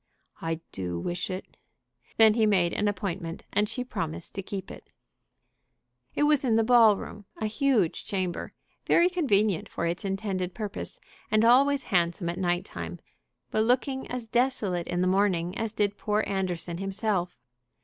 "I do wish it." Then he made an appointment and she promised to keep it. It was in the ball room, a huge chamber, very convenient for its intended purpose, and always handsome at night time, but looking as desolate in the morning as did poor Anderson himself.